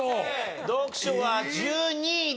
読書は１２位でした。